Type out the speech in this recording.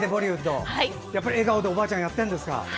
やっぱり笑顔でおばあちゃんやっているんですか。